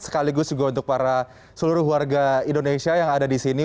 sekaligus juga untuk para seluruh warga indonesia yang ada di sini